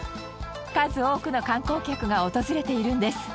数多くの観光客が訪れているんです。